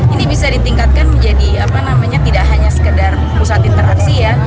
ini bisa ditingkatkan menjadi tidak hanya sekedar pusat interaksi